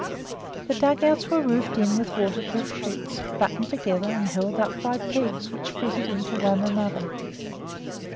The dug outs were roofed in with waterproof sheets, buttoned together and held up by pegs which fitted into one another.